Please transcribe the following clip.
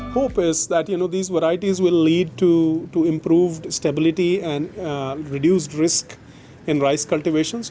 harapan adalah bahwa varietas ini akan membawa kembang ke stabilitas dan mengurangkan risiko untuk pembelian biji